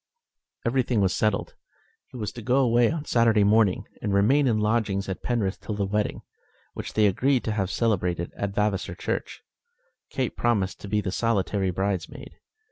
Everything was settled. He was to go away on Saturday morning, and remain in lodgings at Penrith till the wedding, which they agreed to have celebrated at Vavasor Church. Kate promised to be the solitary bridesmaid.